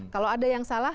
kalau ada yang salah